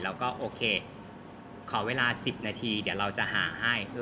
แล้วก็โอเคขอเวลา๑๐นาทีเดี๋ยวเราจะหาให้